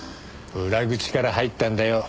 裏口から入ったんだよ。